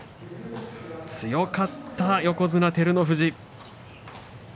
強かった、横綱照ノ富士。